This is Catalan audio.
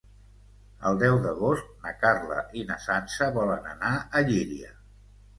El deu d'agost na Carla i na Sança volen anar a Llíria.